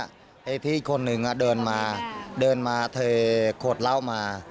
ไอที่คนหนึ่งอ่ะเดินมาเดินมาเผยโคตรเล่ามา